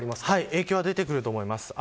影響はあると思います。